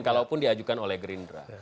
kalaupun diajukan oleh gerindra